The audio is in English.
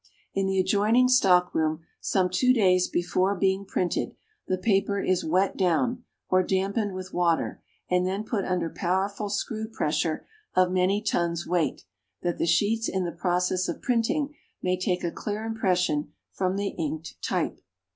In the adjoining Stock room, some two days before being printed, the paper is "wet down," or dampened with water, and then put under powerful screw pressure of many tons' weight, that the sheets in the process of printing may take a clear impression from the inked type.